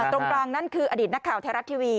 ตรงกลางนั่นคืออดีตนักข่าวไทยรัฐทีวี